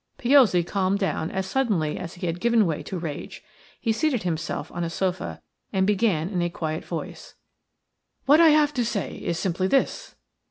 Piozzi calmed down as suddenly as he had given way to rage. He seated himself on a sofa and began in a quiet voice: "What I have to say is simply this."